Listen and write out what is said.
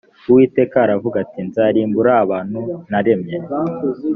uwiteka aravuga ati nzarimbura abantu naremye